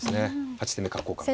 ８手目角交換が。